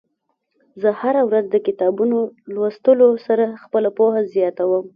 زه هره ورځ د کتابونو لوستلو سره خپله پوهه زياتوم.